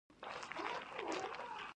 دا یوه ساده جمله ده.